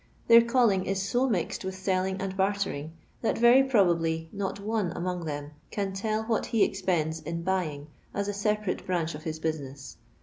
Tbeir calling if to miied with lolling and bartering, that veryprobablr not ono among them can t^l what he ezpendi in buyiiiff, as a leparate bimnch of hit bonneia.